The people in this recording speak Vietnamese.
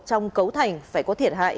trong cấu thành phải có thiệt hại